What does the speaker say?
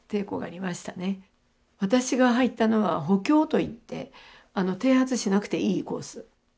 私が入ったのは「補教」といって剃髪しなくていいコース。